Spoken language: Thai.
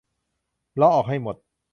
เลาะออกให้หมด